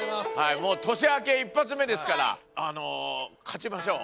年明け一発目ですからあの勝ちましょう。